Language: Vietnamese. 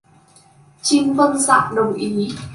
Trinh vâng dạ đồng ý